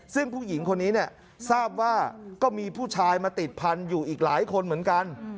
ซึ่งผู้หญิงคนนี้เนี่ยทราบว่าก็มีผู้ชายมาติดพันธุ์อยู่อีกหลายคนเหมือนกัน